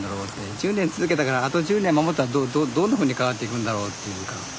１０年続けたからあと１０年守ったらどんなふうに変わっていくんだろうっていうか。